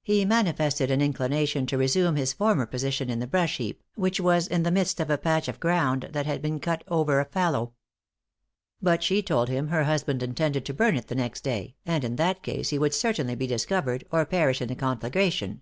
He manifested an inclination to resume his former position in the brush heap, which was in the midst of a patch of ground that had been cut over for a fallow; but she told him her husband intended to burn it the next day, and in that case he would certainly be discovered, or perish in the conflagration.